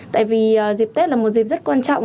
tại vì dịp tết là một dịp rất quan trọng